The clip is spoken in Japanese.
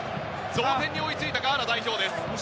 同点に追いついたガーナ代表です。